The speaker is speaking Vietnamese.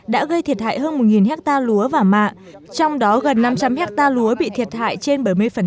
đã gây thiệt hại hơn một hectare lúa và mạ trong đó gần năm trăm linh hectare lúa bị thiệt hại trên bảy mươi